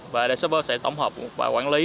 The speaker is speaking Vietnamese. và để server sẽ tổng hợp và quản lý